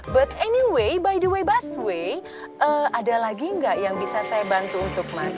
but anyway by the way busway ada lagi nggak yang bisa saya bantu untuk mas